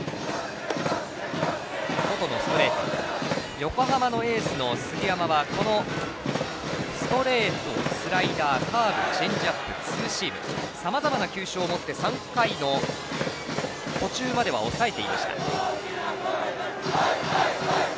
横浜のエースの杉山はストレート、スライダーカーブ、チェンジアップツーストライクさまざまな球種をもって３回の途中までは抑えていました。